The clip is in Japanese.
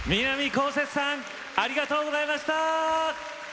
こうせつさんありがとうございました！